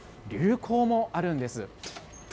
流行もあるんです。